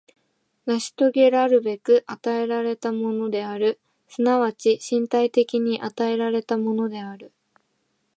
成し遂げらるべく与えられたものである、即ち身体的に与えられたものである。